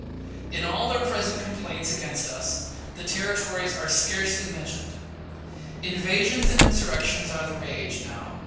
In all their present complaints against us, the Territories are scarcely mentioned. Invasions and insurrections are the rage now.